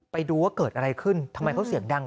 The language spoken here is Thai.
ไปดูว่าเกิดอะไรขึ้นทำไมเขาเสียงดัง